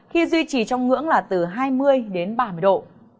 khi duy trì trong ngưỡng là từ hai mươi đến ba mươi độ